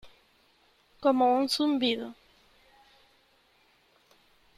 como un zumbido .